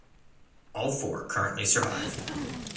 All four currently survive.